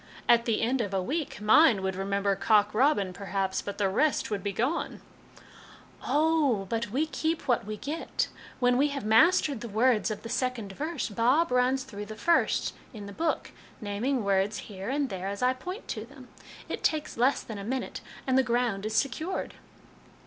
At the end of a week, mine would remember ' Cock Robin,' perhaps, but the rest would be gone !"" Oh, but we keep what we get ! When we have mastered the words of the second verse, Bob runs through the first in the book, naming words here and there as I point to them. It takes less than a minute, and the ground is secured."